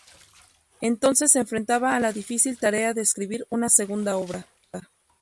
Entonces se enfrentaba a la difícil tarea de escribir una segunda obra.